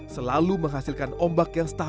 selalu menghasilkan ombak yang setahun